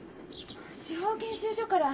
司法研修所から。